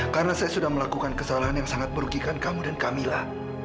karena saya sudah melakukan kesalahan yang sangat merugikan kamu dan kamila